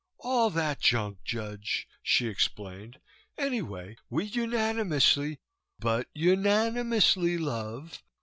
"All that junk, Judge," she explained, "anyway, we unanimously but unanimously, love!